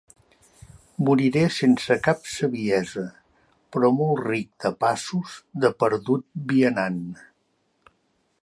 Moriré sense cap saviesa, però molt ric de passos de perdut vianant.